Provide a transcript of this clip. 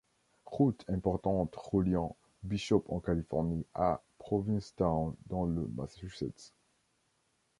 Route importante reliant Bishop en Californie à Provincetown dans le Massachusetts.